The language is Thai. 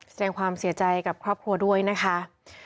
แสดงความเสียใจกับครอบครัวด้วยนะคะ